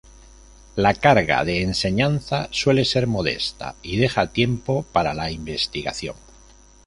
La carga de enseñanza suele ser modesta y deja tiempo para la investigación.